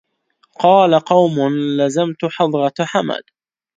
قال قوم لزمت حضرة حمد